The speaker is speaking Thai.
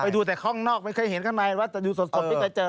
ไปดูแต่ข้องนอกไม่เคยเห็นข้างในว่าจะดูส่วนสมบิตใกล้เจอ